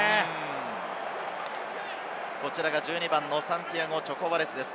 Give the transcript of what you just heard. １２番のサンティアゴ・チョコバレスです。